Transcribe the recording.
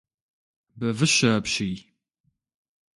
Бэвыщэ апщий!